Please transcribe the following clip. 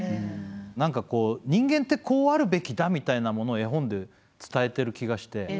何かこう人間ってこうあるべきだみたいなものを絵本で伝えてる気がして。